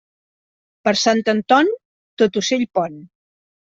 Per Sant Anton, tot ocell pon.